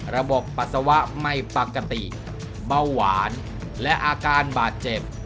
ปัสสาวะไม่ปกติเบาหวานและอาการบาดเจ็บ